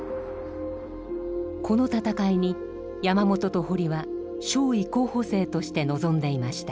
この戦いに山本と堀は少尉候補生として臨んでいました。